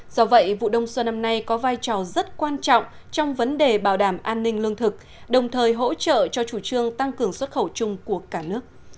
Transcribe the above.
do vậy vụ đông xuân năm nay có vai trò rất quan trọng trong vấn đề bảo đảm an ninh lương thực đồng thời hỗ trợ cho chủ trương tăng cường xuất khẩu chung của cả nước